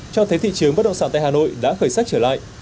cho thấy thị trường bất động sản tại hà nội đã khởi sắc trở lại